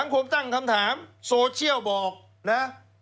คงตั้งคำถามโซเชียลบอกนะ